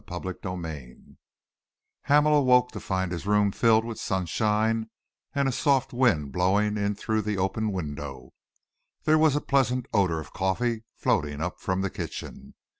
CHAPTER XXVII Hamel awoke to find his room filled with sunshine and a soft wind blowing in through the open window. There was a pleasant odour of coffee floating up from the kitchen.